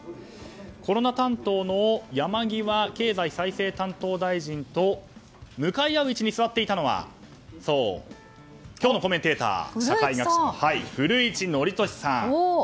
コロナ担当の山際経済再生担当大臣と向かい合う位置に座っていたのは今日のコメンテーター社会学者の古市憲寿さん。